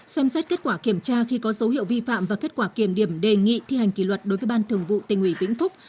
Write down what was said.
xem xét kết quả kiểm tra khi có dấu hiệu vi phạm và kết quả kiểm điểm đề nghị thi hành kỷ luật đối với ban thường vụ tình ủy vĩnh phúc